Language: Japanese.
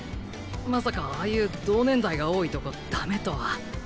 まさかああいう同年代が多いとこダメとは。